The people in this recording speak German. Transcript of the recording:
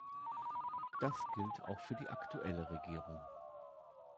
Das gilt auch für die aktuelle Regierung.